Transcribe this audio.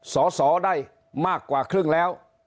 สอสอได้มากกว่าครึ่งแล้ว